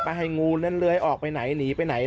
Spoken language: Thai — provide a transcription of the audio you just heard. ให้งูนั้นเลื้อยออกไปไหนหนีไปไหน